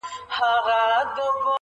ويل موري ستا تر ژبي دي قربان سم-